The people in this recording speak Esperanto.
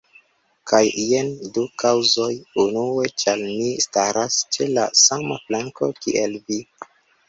Kaj jen du kaŭzoj; unue ĉar mi staras ĉe la sama flanko kiel vi.